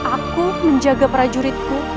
aku menjaga para juridku